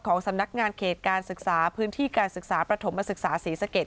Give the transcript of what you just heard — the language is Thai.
สำนักงานเขตการศึกษาพื้นที่การศึกษาประถมศึกษาศรีสะเกด